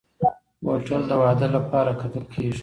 هوټل د واده لپاره کتل کېږي.